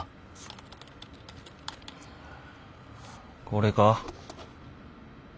これか。